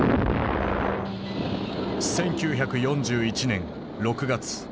１９４１年６月。